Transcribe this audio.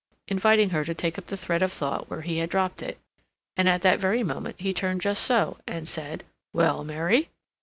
inviting her to take up the thread of thought where he had dropped it. And at that very moment he turned just so, and said: "Well, Mary?"